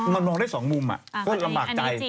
มันมองได้สองมุมอ่ะก็จะลำบากใจ